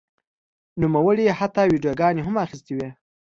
نوموړي حتی ویډیوګانې هم اخیستې وې.